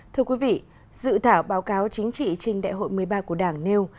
thưa quý vị dự thảo báo cáo chính trị trên đại hội một mươi ba của đảng nêu